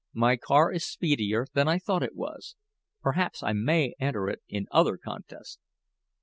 "My car is speedier than I thought it was. Perhaps I may enter it in other contests."